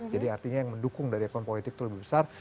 jadi artinya yang mendukung dari akun politik itu lebih besar